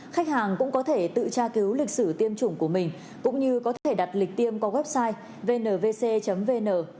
khách hàng cũng có thể tự tra cứu lịch sử tiêm chủng của mình cũng như có thể đặt lịch tiêm qua website vnvc vn